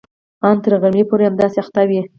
ان تر غرمې پورې همداسې اخته وي.